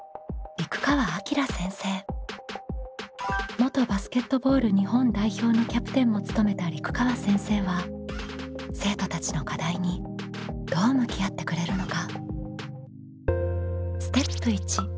元バスケットボール日本代表のキャプテンも務めた陸川先生は生徒たちの課題にどう向き合ってくれるのか？